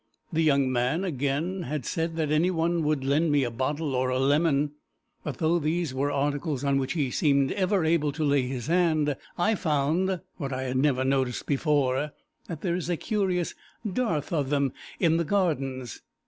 The young man, again, had said that anyone would lend me a bottle or a lemon, but though these were articles on which he seemed ever able to lay his hand, I found (what I had never noticed before) that there is a curious dearth of them in the Gardens.